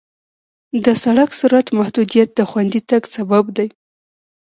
د سړک سرعت محدودیت د خوندي تګ سبب دی.